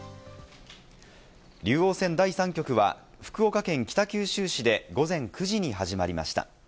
竜王戦第３局は、福岡県北九州市で午前９時に始まりました。